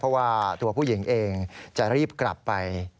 เพราะว่าตัวผู้หญิงเองจะรีบกลับไป